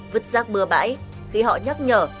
vứt rác bừa bãi thì họ nhắc nhở